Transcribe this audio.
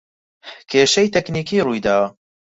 کێشەی تەکنیکی روویداوە